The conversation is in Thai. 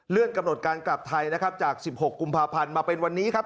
กำหนดการกลับไทยนะครับจาก๑๖กุมภาพันธ์มาเป็นวันนี้ครับ